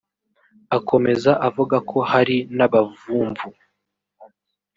Akomeza avuga ko hari n’abavumvu